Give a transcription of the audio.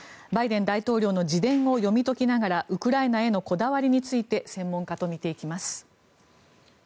バイデン大統領の自伝を読み解きながらウクライナへのこだわりについて専門家と見ていきます。